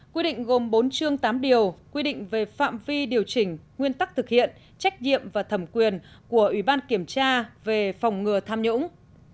quy định gồm bốn chương tám điều quy định về phạm vi điều chỉnh nguyên tắc thực hiện trách nhiệm và thẩm quyền của ủy ban kiểm tra về phòng ngừa tham nhũng